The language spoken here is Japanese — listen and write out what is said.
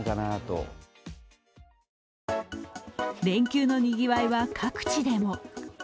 連休のにぎわいは、各地でも。